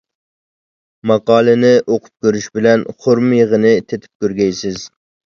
ماقالىنى ئوقۇپ كۆرۈش بىلەن خورما يىغىنى تېتىپ كۆرگەيسىز.